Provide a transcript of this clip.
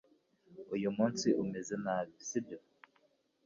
Uyu munsi, umeze nabi, si byo?